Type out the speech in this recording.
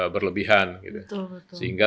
berlebihan gitu sehingga